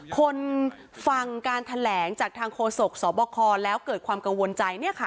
คนฟังการแถลงจากทางโฆษกสบคแล้วเกิดความกังวลใจเนี่ยค่ะ